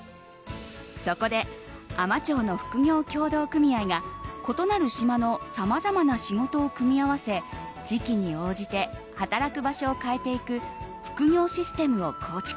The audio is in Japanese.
そこで海士町の複業協同組合が異なる島のさまざまな仕事を組み合わせ時季に応じて働く場所を変えていく複業システムを構築。